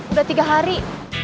udah tiga hari